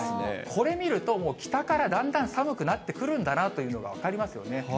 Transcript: これ見ると、もう北からだんだん寒くなってくるんだなというのが分かりますよね。